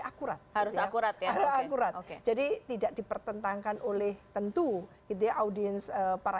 akurat harus akurat akurat oke jadi tidak dipertentangkan oleh tentu itu audiens para